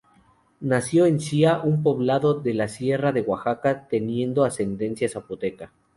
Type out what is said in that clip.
Nació en Xia, un poblado de la sierra de Oaxaca, teniendo ascendencia zapoteca.